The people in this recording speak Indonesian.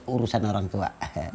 urusan orang tua